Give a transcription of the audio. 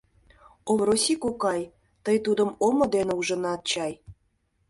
Овроси кокай, тый тудым омо дене ужынат чай.